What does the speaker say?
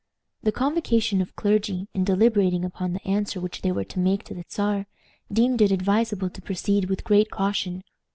The convocation of clergy, in deliberating upon the answer which they were to make to the Czar, deemed it advisable to proceed with great caution.